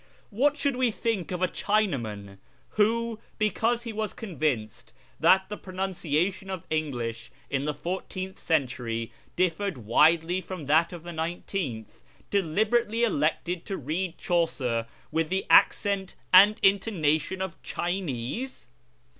What should we think of a Chinaman who, because he was convinced that the pronuncia tion of English in the fourteenth century differed widely from that of the nineteenth, deliberately elected to read Chaucer with the accent and intonation of Chinese